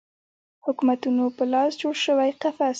حکومتونو په لاس جوړ شوی قفس